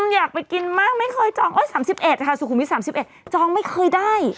อยากไปกินมากไม่เคยจอง๓๑ค่ะสุขุมวิท๓๑จองไม่เคยได้